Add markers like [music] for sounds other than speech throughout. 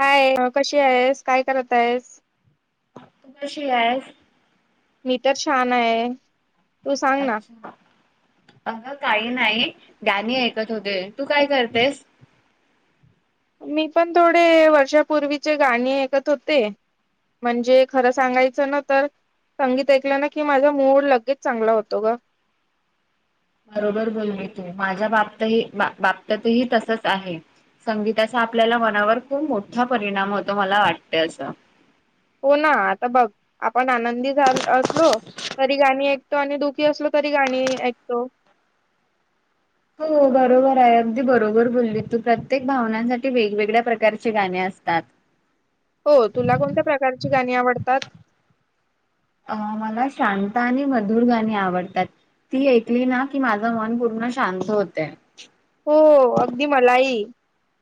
काय कशी आहेस काय करत आहेस तू कशी आहेस मी तर छान आहे तू सांग ना अच्छा अ काही नाही ज्ञानी ऐकत होते तू काय करतेस मी पण थोडे वर्षापूर्वीचे गाणी ऐकत होते म्हणजे खरं सांगायचं ना तर संगीत ऐकलं ना की माझा मूड लगेच चांगला होतो ग [inaudible] बरोबर बोली तू माझ्या बापतही बापततही तसंच आहे. संगीताचा आपल्याला मनावर खूप मोठा परिणाम होतो मला वाटते असं. हो ना आता बघ आपण आनंदी झा असलो तरी गाणी ऐ कतो आणि दुःखी असलो तरी गाणी ऐकतो. हो. हो बरोबर आहे अगदी बरोबर बोलली तू प्रत्येक भावनांसाठी वेगवेगळ्या प्रकारचे गाणे असतात. [inaudible] हो तुला कोणत्या प्रकारची गाणी आवडतात? अ मला शांत आणि मधुर गाणी आवडतात. ती ऐकली ना की माझं मन पूर्ण शांत होतंय. हो अगदी मलाही,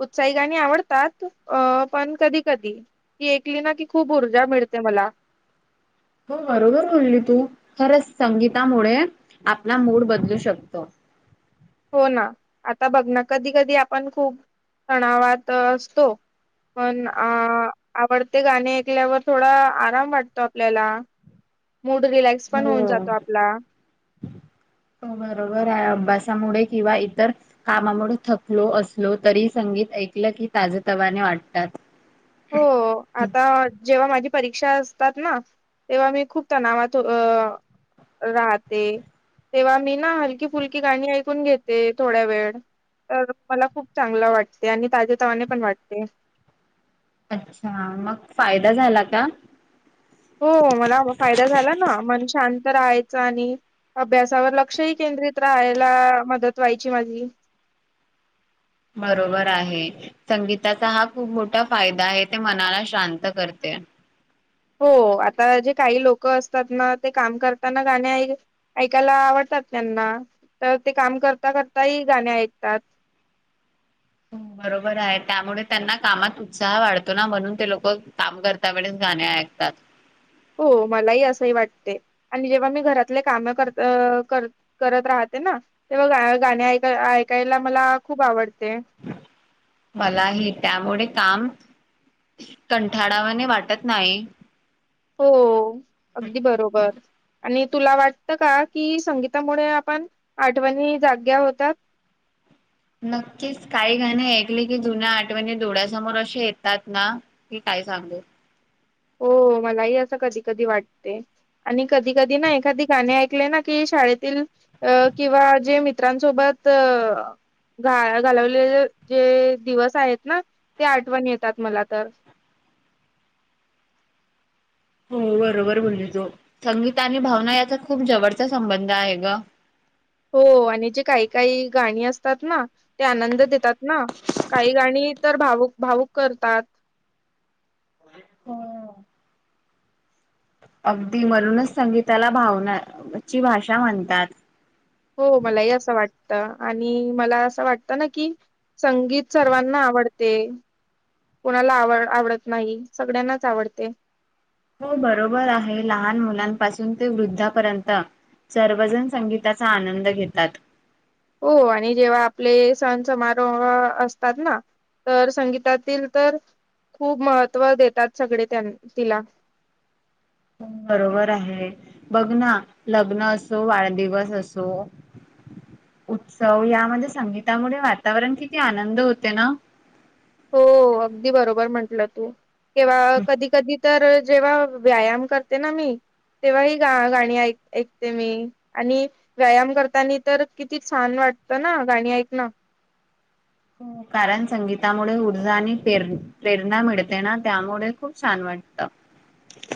उत्साही गाणी आवडतात अ पण कधी कधी ती ऐकली ना की खूप ऊर्जा मिळते मला. हो बरोबर बोलली तू खरंच संगीतामुळे आपला मूड बदलू शकतो. हो ना आता बघं ना कधी कधी आपण खूप तणावात असतो, पण अ आवडते गाणे ऐकल्यावर थोडा आराम वाटतो आपल्याला. [inaudible] मूड रिलॅक्स पण हो. होऊन जातो आपला. [inaudible] हो बरोबर आहे अभ्यासामुळे किंवा इतर कामामुळे थकलो असलो तरी संगीत ऐकलं की ताजे तवाने वाटतात. हो आता जेव्हा माझी परीक्षा असतात ना, तेव्हा मी खूप तणावात अ राहते. तेव्हा मी ना हलकी फुलकी गाणी ऐकून घेते थोडांवेळ. तर मला खूप चांगलं वाटते आणि ताजे तवाने पण वाटते. अच्छा, मग फायदा झाला का? हो मला फायदा झाला ना मन शांत राहायच आणि अभ्यासावर लक्षही केंद्रित राहायला मदत व्हायची माझी. [inaudible] बरोबर आहे संगीताचा हा खूप मोठा फायदा आहे ते मनाला शांत कर ते हो आता जे काही लोक असतात ना ते काम करताना गाणे ऐकायला आवड तात त्यांना, तर ते काम करता करता ही गाणे ऐकतात. हम्. बरोबर आहे त्यामुळे त्यांना कामात उत्साह वाढतो ना म्हणून ते लोकं काम करता वेळेस गाणे ऐक तात. हो मलाही असंही वाटते आणि जेव्हा मी घरातले काम कर-करत राह ते ना, तेव्हा गाणी ऐकायला मला खूप आवडते. मलाही त्यामुळे काम कंठाळावाने वाटत नाही. हो! अगदी बरोबर. आणि तुला वाटतं का कि संगीतामुळे आपण आठवणी जाग्या होतात? [inaudible] नक्कीच काही गाणे ऐकली की जुन्या आठवणी डोळ्यासमोर अशे येतात ना की का काय सांगू? हो मलाही असं कधी-कधी वाटते, आणि कधी-कधी ना एखादी गाणी ऐकले ना की शाळेतील अ किंवा जे मित्रांसोबत अ वाया घालवलेले जे दिवस आहेत ना ते आठवण येतात मला तर [inaudible] हम्म. बरोबर बोली तु संगीत आणि भावना याचा खूप जवळचा संबंध आहे ग. हो आणि जे काही-काही गाणी असतात ना ते आनंद देतात ना काही गाणी ती तर भाऊक-भाऊक करतात. हो. अगदी म्हणूनच संगीताला भावनाची भाषा म्हणतात. हो मलाही असं वाटत आणि मला असं वाटतं ना कि संगीत सर्वांना आवडते, कोणाला आवड-आवडत नाही सगळ्यांनाच आवडते. हो बरोबर आहे. लहान मुलांपासून ते वृद्धापर्यंत सर्वजण संगीताचा आनंद घेतात. हो आणि जेव्हा आपले सण समारोह असतात ना? तर संगीतातील तर खूप महत्त्व देतात सगळे त्यां तिला. [inaudible] बरोबर आहे बघ ना लग्न असो, वाढदिवस असो, [inaudible] उत्सव यामध्ये संगीतामुळे वातावरण किती आनंद होते ना? हो अगदी बरोबर म्हंटलं तू केव्हा कधी-कधी तर जेव्हा व्यायाम करते ना मी. तेंव्हा ही गा-गाणी ऐक-ऐकते मी आणि व्यायाम करतानी तर किती छान वाट वाटत ना गाणी ऐकणं. हो. कारण संगीतामुळे ऊर्जा आणि प्रेरणा मिळते ना, त्यामुळे खूप छान वाटत.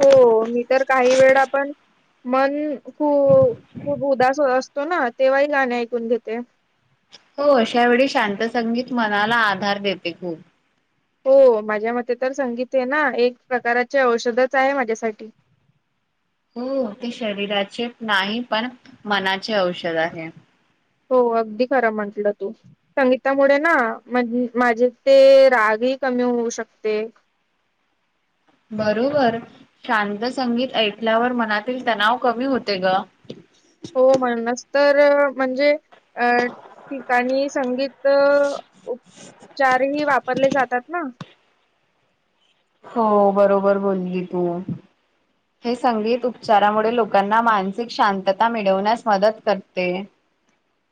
हो, मी तर काही वेळ पण मन खू- खूप उदास असतो ना, तेव्हाही गाणे ऐकून घेते. हो, अश्या वेळी शांत संगीत मनाला आधार देते खूप. हो, माझ्या मते तर संगीत आहे ना एक प्रकारचे औषधच आहे माझ्यासाठी. [unintelligible] हो, ते शरीराचे नाही पण मनाचे औषध आहे. हो, अगदी खरं म्हंटलं तू संगीतामुळे ना माझे ते राग ही कमी होऊ शकते. [inaudible] बरोबर शांत संगीत ऐकल्यावर मनातील तणाव कमी होते ग. हो म्हणूनच तर म्हणजे अ ठिकाणी संगीत उपचार वा वापरले जातात ना? हो बरोबर बोली तू. हे संगीत उपचारामुळे लोकांना मानसिक शांतता मिळवण्यास मदत करते.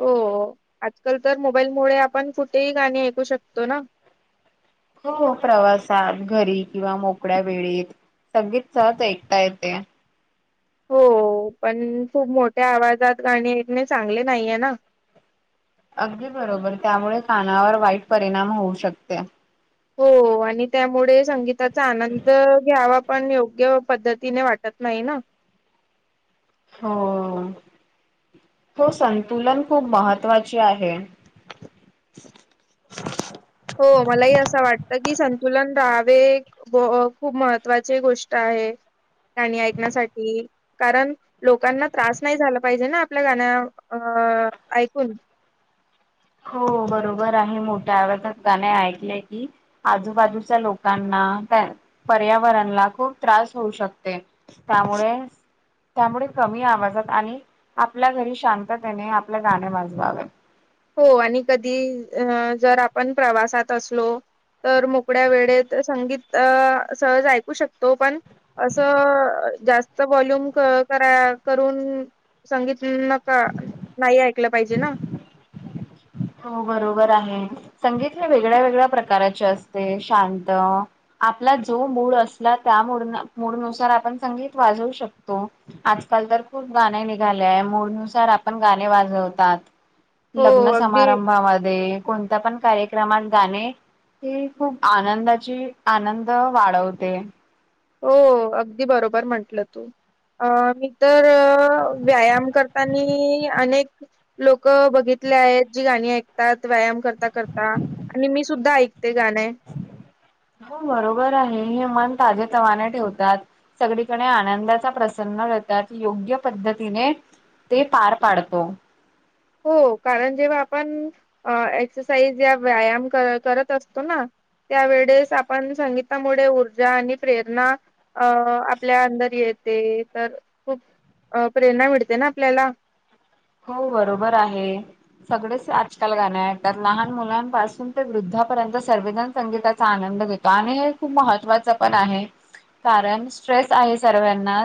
हो ओ. आज काल तर मोबाईल मुळे आपण कुठेही गाणी ऐकू शकतो ना. हो प्रवासात, घरी किंवा मोकळ्या वेळेत संगीत सहज आइता येते. हो. हो पण खूप मोठ्या आवाजात गाणी ऐकणे चांगले नैये ना. अगदी बरोबर त्यामुळे कानावर वाईट परिणाम होऊ शकते. हो आणि त्यामुडे संगीताचा आनंद घ्यावा पण योग्य पद्धतीने वाटत नाइ ना. हो ओ. तो संतुलन खूप महत्त्वाची आहे. चच हो मलाही असं वाटतं की संतुलन राहावे व खूप महत्त्वाचे गोष्ट आहे. गाणी ऐकण्यासाठी कारण लोकांना त्रास नाही झाला पाहिजे ना आपल्या गाण्या अ ऐकून हो बरोबर आहे मोठ्या आवाजात गाणे ऐकले की आजूबाजूच्या लोकांना हा काय पर्यावरणला खूप त्रास होऊ शकतोय त्यामुळे त्यामुळे कमी आवाजात आणि आपल्या घरी शांततेने आपले गाणे वाजवावे. हो आणि कधी अ जर आपण प्रवासात असलो तर मोकड्या वेळेत संगीत सहज ऐकू शकतो पण असं जास्त वॉल्यूम क करा करून संगीत नका नाइ ऐकलं त पाहिजे ना. हो बरोबर आहे संगीत हे वेगळ्या वेगळ्या प्रकाराचे असते शांत आपला जो मूड असला त्या मूड मूडनुसार आपण संगीत वाजवू शकतो, आज काल तर खूप गाणे निघालेय मूडनुसार आपण गाणे वाजवतात. हो लग्न अगदी समारंभामध्ये कोणता पण कार्य रमात गाणे हे खूप आनंदाची आनंद वाढवते. हो अगदी बरोबर म्हटलं तू अ मी तर व्यायाम करतानी अनेक लोक बघित ली आहेत जी गाणी ऐकतात व्यायाम करता करता आणि मी सुद्धा ऐक हो बरोबर आहे हे मन ताजे तवाने ठेवतात, सगळीकडे आनंदाचा प्रसन्न [unintelligible] तात योग्य पद्धतीने ते पार पाडतो. हो कारण जेव्हा आपण एक्ससाइज या व्यायाम कर करत असतो ना. त्यावेेडेस आपण संगीतामुळे ऊर्जा आणि प्रेरणा अ आपल्या अंदर येत ते तर खूप अ प्रेरणा मिळते ना आपल्याला हो बरोबर आहे, सगळेचं आजकाल गाण ऐकात लहान मुलांपासून ते वृद्ध ता पर्यंत सवेजण संगीताचा आनंद घेतो आणि हे खूप महत्त्वाचं पण आहे. कारण स्ट्रेस आहे सरवेना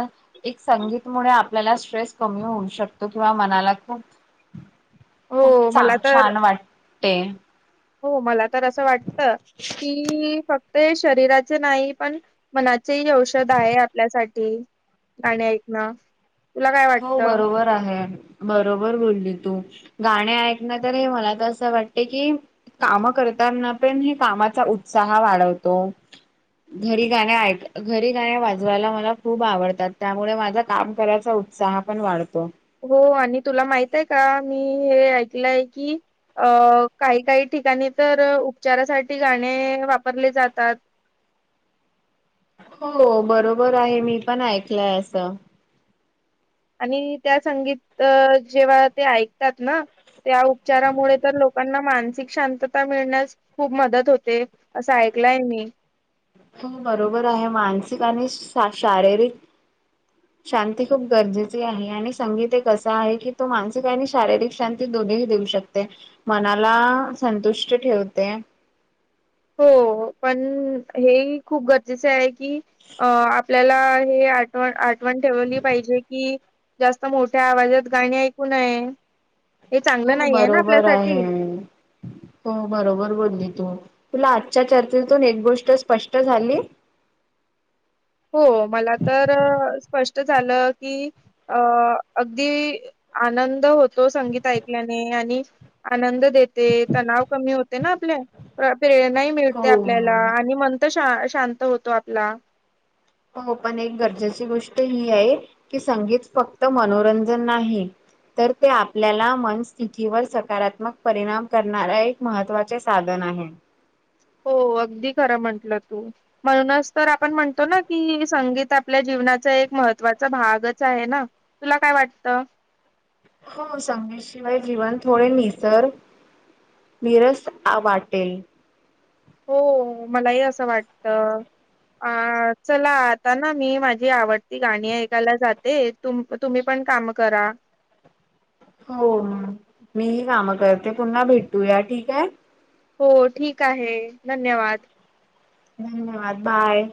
एक संगीत मुळे आपल्याला ट्रेस कमी होऊ शकतो किंवा मनाला खूप खूप हो चां मला तर छान वाटते. हो मला तर असं वाटत की फत ते शरीराचे नाही पण मनाचे ही औषध आहे, आपल्यासाठी गाणी ऐक न हो बरोबर आहे. बरोबर बोलली तू गाणी ऐकण तर हे मला तर असं वाटते की काम कर ताना पण हे कामाचा उत्साह वाढवतो. घरी गाण्या ऐक- घरी गाण्या वाजवायला मला खूप आवडतात त्यामुळे माझं काम करायचा उत्साह पण वाढतो. हो, आणि तुला माहित आहे का? मी हे ऐकलंय की. अ काही काही ठिकाणी तर उपचारासाठी गाणे वापरले जातात. [unintelligible] हो, बरोबर आहे मी पण ऐकलंय असं. आणि त्या संगीत जेव्हा ते ऐकतात ना त्या उपचारामुळे तर लोकांना मानसिक शांतता मिळण्यास खूप मदत होते असं ऐक लाय मी. हो बरोबर आहे, मानसिक आणि शा -शारीरिक शांती खूप गरजेची आहे, आणि संगीत एक असं आहे की तो मानसिक आणि शारीरिक शांती देऊ शकते मनाला संतुष्ट ठेवते. हो, पण हे खूप गरजेच आहे की अ आपल्याला हे आठव आठवण ठेवली पाहिजे कि, जास्त मोठ्या आवाजात गाणी ऐकून नाही. [unintelligible] हो आहे ना बरोबर आहे आपल्यासाठी हो बरोबर बोलली तू. तुला आजच्या चर्चेतून एक गोष्ट स्पष्ट झाली. हो मला तर. स्पष्ट झालं की अ अगदी आनंद होतो संगीत ऐकल्याने. आणि आनंद देते तणाव कमी होते ना आपल्या. प्रेरणा ही मिळते आपल्याला हो. आणि मन तर शां शांत होतो आपला. हो पण एक गरजेची गोष्ट ही आहे की संगीत फक्त मनोरंजन नाही. तर ते आपल्याला मनस्थितीवर सकारात्मक परिणाम करणारा एक महत्त्वाचे साधन. [unintelligible] हो अगदी खरं म्हंटलंत म्हणूनच तर आपण म्हणतो ना की संगीत आपल्या जी- - जीवनाचा एक महत्वाचा भागच आहे ना हो. सांगेशिवाय जीवन थोडे निसर निरस आ वाटेल. हो मलाही असं वाटत. अ चला आता ना मी माझी आवडती गाणी ऐकायला जाते तुम तुम्ही पण - - काम करा. हो मी ही काम करते. पुन्हा भेटू या ठीक हाय. हो. ठीक आहे. धन्यवाद. धन्यवाद. बाय.